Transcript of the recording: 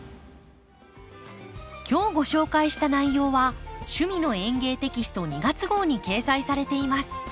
今日ご紹介した内容は「趣味の園芸」テキスト２月号に掲載されています。